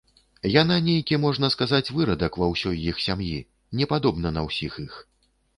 Яна нейкі, можна сказаць, вырадак ува ўсёй іх сям'і, не падобна на ўсіх іх.